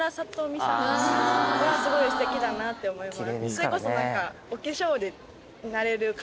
それこそ何か。